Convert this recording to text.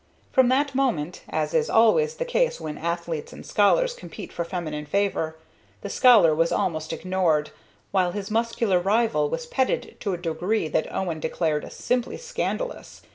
From that moment, as is always the case when athletes and scholars compete for feminine favor, the scholar was almost ignored, while his muscular rival was petted to a degree that Owen declared simply scandalous.